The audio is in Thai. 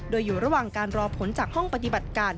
โดยอยู่ระหว่างการรอผลจากห้องปฏิบัติการ